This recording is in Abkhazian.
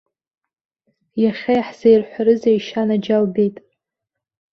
Иахьа иаҳзаирҳәарызеишь, анаџьалбеит!